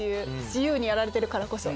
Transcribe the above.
自由にやられてるからこそ。